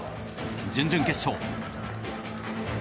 準々決勝。